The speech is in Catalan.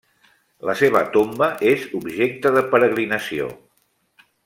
La seva tomba és objecte de peregrinació.